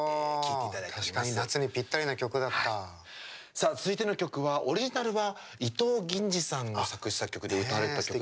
さあ続いての曲はオリジナルは伊藤銀次さんが作詞作曲で歌われてた曲で。